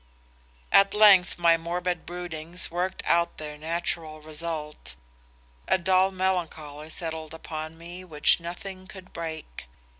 "At length my morbid broodings worked out their natural result. A dull melancholy settled upon me which nothing could break.